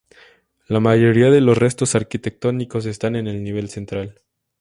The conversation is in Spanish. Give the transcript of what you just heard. La mayoría de los restos arquitectónicos están en el nivel central.